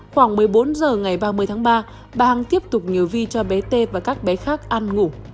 khoảng một mươi bốn giờ ngày ba mươi tháng ba bà hằng tiếp tục nhớ vi cho bé t và các bé khác ăn ngủ